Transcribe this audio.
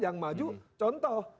yang maju contoh